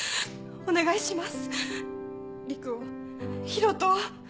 お願いします。